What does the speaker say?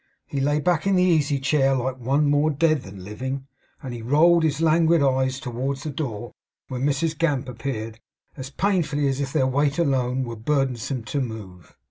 He lay back in the easy chair like one more dead than living; and rolled his languid eyes towards the door when Mrs Gamp appeared, as painfully as if their weight alone were burdensome to move.